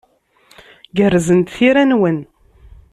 Gerrzent tira-nwen.